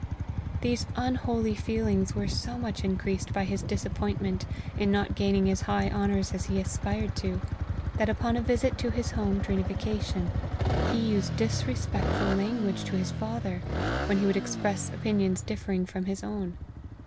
These unholy feelings were so much increased by his disappointment in not gaming as high honours as he aspired to, that upon a visit to his home during a vacation, he used disrespectful language to his father, when he would express opinions differ ing from his own.